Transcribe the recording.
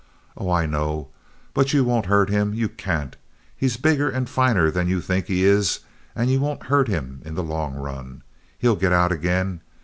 Oh, I know. But you won't hurt him. You can't! He's bigger and finer than you think he is and you won't hurt him in the long run. He'll get out again.